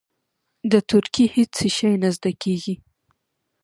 د تورکي هېڅ شى نه زده کېده.